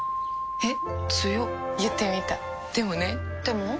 えっ？